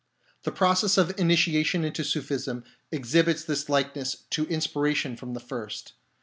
The process of initiation into Sufism exhibits this likeness to inspiration from the first.